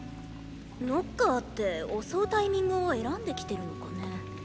ノッカーって襲うタイミングを選んで来てるのかね？